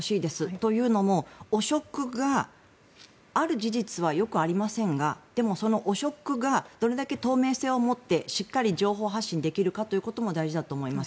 というのも汚職がある事実はよくありませんがでも汚職がどれだけ透明性をもってしっかり情報発信できるかということも大事だと思います。